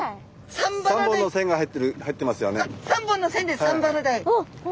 ３本の線が入ってますよね。